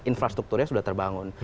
infrastrukturnya sudah terbangun